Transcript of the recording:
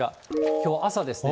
きょう、朝ですね。